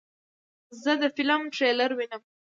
زه د فلم ټریلر وینم.